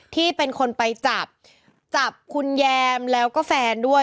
ที่เป็นคนไปจับจับคุณแยมแล้วก็แฟนด้วย